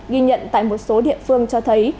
ghi nhận tại một số địa phương cho thấy